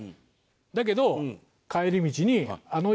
だけど。